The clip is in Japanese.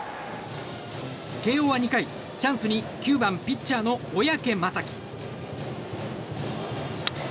慶應は２回、チャンスに９番ピッチャーの小宅雅己。